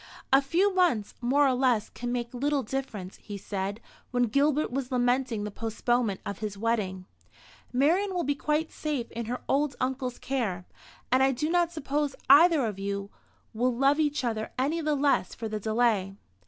"A few months more or less can make little difference," he said, when Gilbert was lamenting the postponement of his wedding. "Marian will be quite safe in her old uncle's care; and I do not suppose either of you will love each other any the less for the delay.